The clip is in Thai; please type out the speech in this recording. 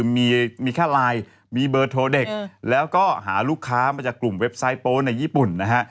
มีแค่ไลน์มีเบอร์โทรเด็กแล้วก็หาลูกค้ามาจากกลุ่มเว็บไซต์โป๊ในญี่ปุ่นนะฮะ